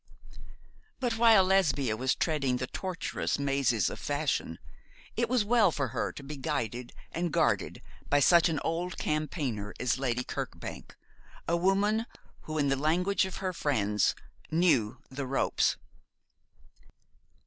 But while Lesbia was treading the tortuous mazes of fashion, it was well for her to be guided and guarded by such an old campaigner as Lady Kirkbank, a woman who, in the language of her friends, 'knew the ropes.'